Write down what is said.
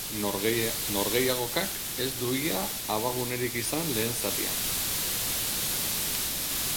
Norgehiagokak ez du ia abagunerik izan lehen zatian.